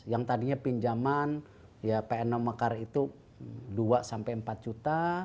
yang tadinya pinjaman ya pnm mekar itu dua sampai empat juta